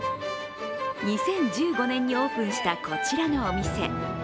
２０１５年にオープンしたこちらのお店。